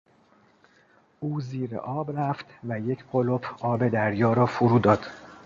او زیر آب رفت و یک قلپ آب دریا را فرو داد.